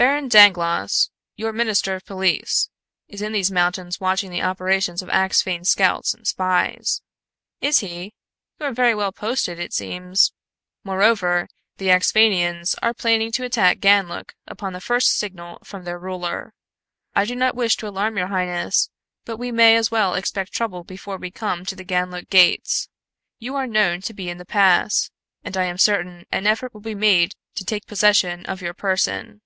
"Baron Dangloss, your minister of police, is in these mountains watching the operations of Axphain scouts and spies." "Is he? You are very well posted, it seems." "Moreover, the Axphainians are planning to attack Ganlook upon the first signal from their ruler. I do not wish to alarm your highness, but we may as well expect trouble before we come to the Ganlook gates You are known to be in the pass, and I am certain an effort will be made to take possession of your person."